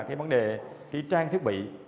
cái vấn đề trang thiết bị